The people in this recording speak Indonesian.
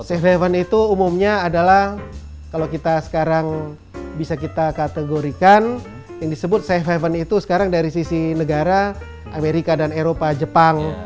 safe haven itu umumnya adalah kalau kita sekarang bisa kita kategorikan yang disebut safe haven itu sekarang dari sisi negara amerika dan eropa jepang